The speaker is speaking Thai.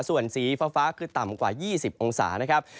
ส่วนสีฟ้าคือต่ำกว่า๒๐องศานะครับ